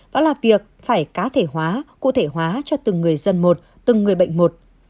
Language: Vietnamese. đó là việc phải cá thể hóa cụ thể hóa cho từng người dân một từng người bệnh một